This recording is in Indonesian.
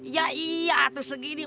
iya iya tuh segini